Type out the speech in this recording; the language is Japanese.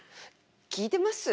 聞いてます？